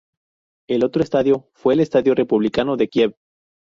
El otro estadio fue el estadio Republicano de Kiev.